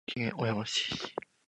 栃木県小山市